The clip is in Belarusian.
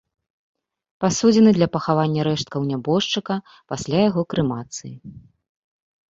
Пасудзіны для пахавання рэшткаў нябожчыка пасля яго крэмацыі.